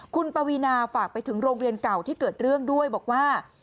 คุณปวีนาฝากไปถึงโรงเรียนเก่าที่เกิดเรื่องด้วยบอกว่า